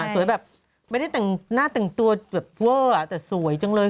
แบบไม่ได้แต่งหน้าแต่งตัวแบบเวอร์แต่สวยจังเลย